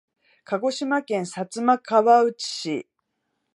鹿児島県薩摩川内市